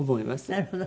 なるほど。